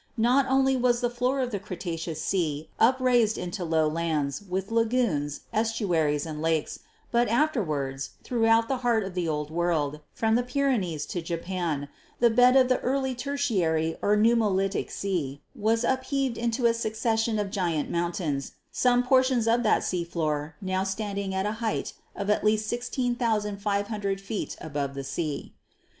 Not only was the floor of the Cretaceous sea upraised into low lands, with lagoons, estuaries and lakes, but afterward, throughout the heart of the Old World, from the Pyrenees to Japan, the bed of the early Tertiary or nummulitic sea was upheaved into a succession of giant mountains, some portions of that sea floor now standing at a height of at least 16,500 feet above the sea.